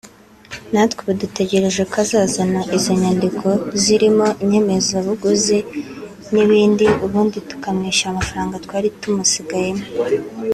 natwe ubu dutegereje ko azazana izo nyandiko zirimo inyemeza buguzi n’ibindi ubundi tukamwishyura amafaranga twari tumusigayemo